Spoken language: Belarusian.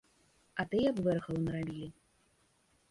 А тыя б вэрхалу нарабілі.